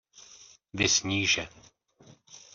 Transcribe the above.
Viz níže.